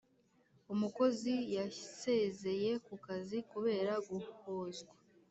umukozi yasezeye ku kazi kubera guhozwa